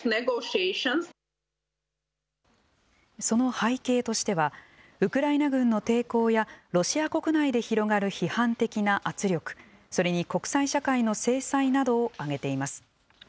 その背景としてはウクライナ軍の抵抗やロシア国内で広がる批判的な圧力、それに国際社会の制裁などを挙げています。